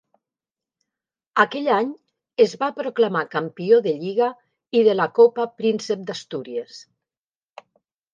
Aquell any es va proclamar campió de Lliga i de la Copa Príncep d'Astúries.